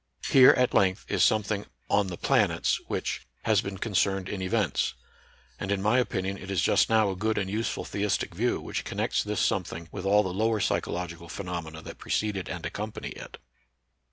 Here, at length, is something " on the planets " which " has been concerned in events ;" and in my opinion it is just now a good and useful theistic view which connects this something with all the lower psychological phenomena that preceded and accompany it.